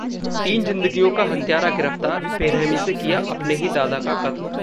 तीन जिंदगियों का हत्यारा गिरफ्तार, बेरहमी से किया अपने ही दादा का कत्ल